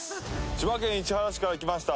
千葉県市原市から来ました